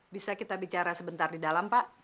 bisa kita bicara sebentar di dalam pak